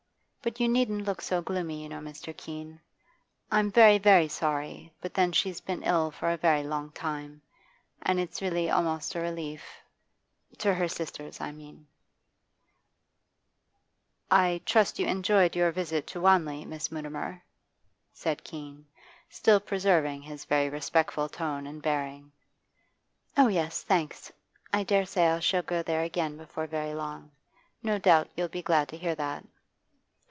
But you needn't look so gloomy, you know, Mr. Keene. I'm very sorry, but then she's been ill for a very long time, and it's really almost a relief to her sisters, I mean.' 'I trust you enjoyed your visit to Wanley, Miss Mutimer?' said Keene, still preserving his very respectful tone and bearing. 'Oh yes, thanks. I dare say I shall go there again before very long. No doubt you'll be glad to hear that.